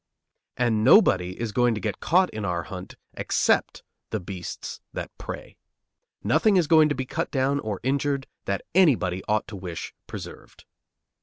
And nobody is going to get caught in our hunt except the beasts that prey. Nothing is going to be cut down or injured that anybody ought to wish preserved.